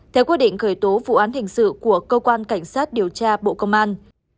theo quyết định khởi tố vụ án hình sự của cơ quan cảnh sát điều tra bộ công an